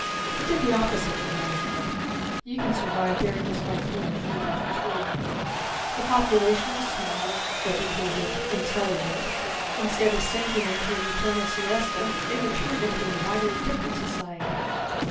It did the opposite for Nyjord. You can survive there just by pulling fruit off a tree. The population was small, educated, intelligent. Instead of sinking into an eternal siesta they matured into a vitally different society.